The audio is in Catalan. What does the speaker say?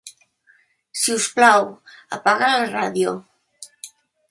Si us plau, apaga la ràdio.